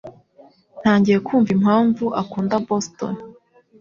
Ntangiye kumva impamvu akunda Boston.